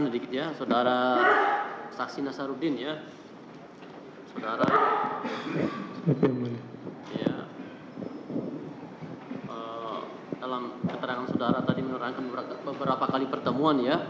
dalam keterangan saudara tadi menerangkan beberapa kali pertemuan ya